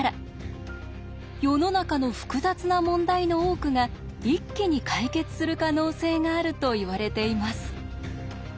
世の中の複雑な問題の多くが一気に解決する可能性があるといわれています。